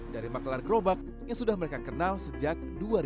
dari maklar gerobak yang sudah mereka kenal sejak dua ribu